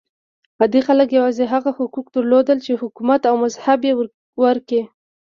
عادي خلک یوازې هغه حقوق درلودل چې حکومت او مذهب یې ورکړي.